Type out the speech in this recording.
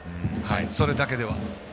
それだけでは。